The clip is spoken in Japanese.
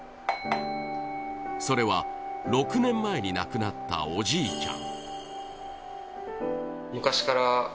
それは６年前に亡くなったおじいちゃん。